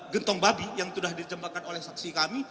gentong babi yang sudah dijembakkan oleh saksi kami